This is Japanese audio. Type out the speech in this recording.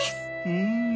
うん！